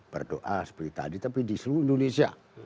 berdoa seperti tadi tapi di seluruh indonesia